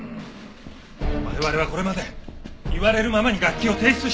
我々はこれまで言われるままに楽器を提出しました。